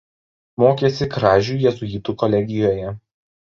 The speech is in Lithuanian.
Mokėsi Kražių jėzuitų kolegijoje.